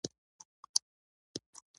خو د عمر په نیمايي کې موږ تمدن غوښت